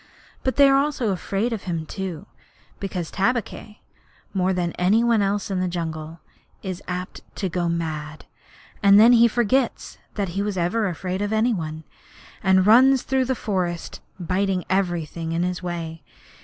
But they are afraid of him too, because Tabaqui, more than any one else in the jungle, is apt to go mad, and then he forgets that he was ever afraid of any one, and runs through the forest biting everything in his way.